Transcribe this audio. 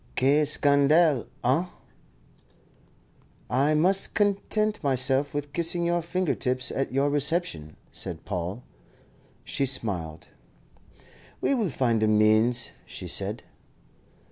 Quel scandale, hein?" "I must content myself with kissing your finger tips at your reception," said Paul. She smiled. "We will find a means," she said.